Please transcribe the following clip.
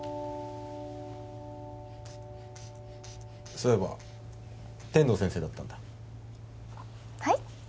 そういえば天堂先生だったんだはい？